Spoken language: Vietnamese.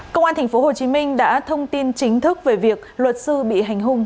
công an tp hcm đã thông tin chính thức về việc luật sư bị hành hung